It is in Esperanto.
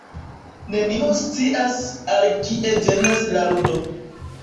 Neniu scias el kie venas La Ludo.